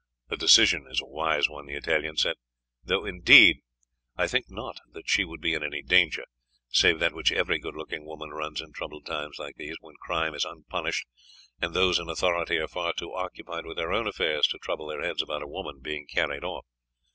"The decision is a wise one," the Italian said; "though indeed I think not that she would be in any danger, save that which every good looking woman runs in troubled times like these, when crime is unpunished, and those in authority are far too occupied with their own affairs to trouble their heads about a woman being carried off.